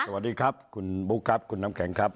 สวัสดีครับคุณบุ๊คครับคุณน้ำแข็งครับ